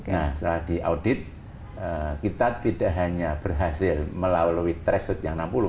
nah setelah diaudit kita tidak hanya berhasil melalui threshold yang enam puluh